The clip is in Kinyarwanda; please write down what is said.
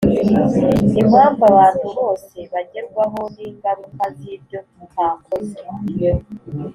Impamvu abantu bose bagerwaho n ,ingaruka zibyo kakoze